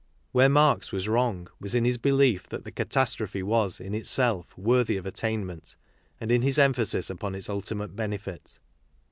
Where Marx was wrong was in his belief that the catas trophe was, in itself, worthy of attainment and in his emphasis upon its ultimate benefit.